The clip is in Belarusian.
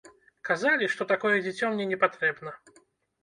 Казалі, што такое дзіцё мне не патрэбна.